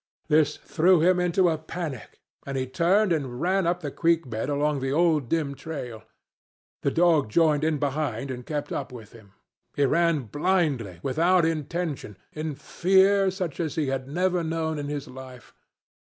This threw him into a panic, and he turned and ran up the creek bed along the old, dim trail. The dog joined in behind and kept up with him. He ran blindly, without intention, in fear such as he had never known in his life.